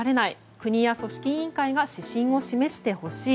国や組織委員会が指針を示してほしい。